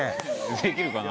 できるかな。